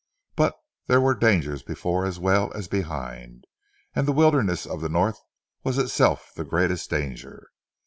But there were dangers before as well as behind, and the wilderness of the North was itself the greatest danger.